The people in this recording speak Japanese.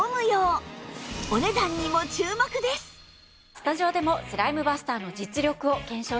スタジオでもスライムバスターの実力を検証していきましょう。